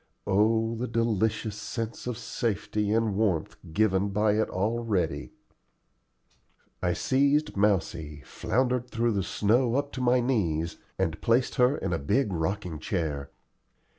Oh the delicious sense of safety and warmth given by it already! I seized Mousie, floundered through the snow up to my knees, and placed her in a big rocking chair.